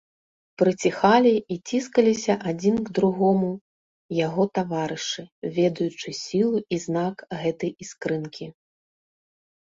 Прыціхалі і ціскаліся адзін к другому яго таварышы, ведаючы сілу і знак гэтай іскрынкі.